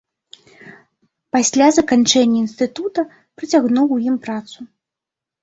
Пасля заканчэння інстытута, працягнуў у ім працу.